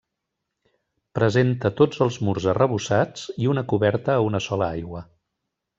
Presenta tots els murs arrebossats i una coberta a una sola aigua.